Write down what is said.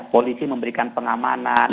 polisi memberikan pengamanan